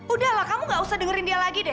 udah lah kamu gak usah dengerin dia lagi deh